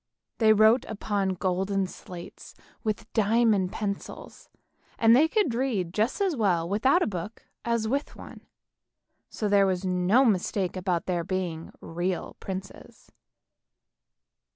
They wrote upon golden slates with diamond pencils, and could read just as well without a book as with one, so there was no mistake about their being real princes.